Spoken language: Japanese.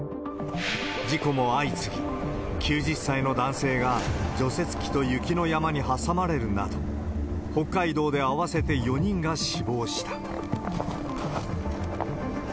事故も相次ぎ、９０歳の男性が除雪機と雪の山に挟まれるなど、北海道で合わせて４人が死亡した。